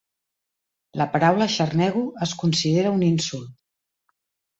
La paraula xarnego es considera un insult.